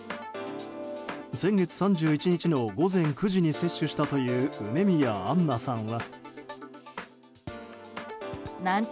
先月３１日の午前９時に接種したという梅宮アンナさんは。